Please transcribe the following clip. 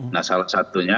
nah salah satunya